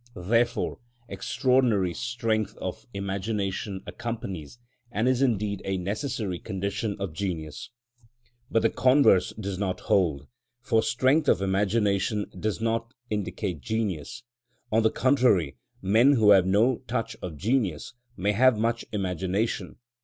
Therefore extraordinary strength of imagination accompanies, and is indeed a necessary condition of genius. But the converse does not hold, for strength of imagination does not indicate genius; on the contrary, men who have no touch of genius may have much imagination.